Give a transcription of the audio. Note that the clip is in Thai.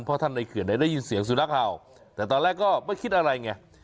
เพราะท่านในเขื่อนได้ยินเสียงสุนัขเห่าแต่ตอนแรกก็ไม่คิดอะไรไง